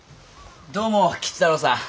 どうも吉太郎さん。